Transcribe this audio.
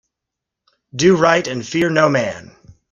Do right and fear no man.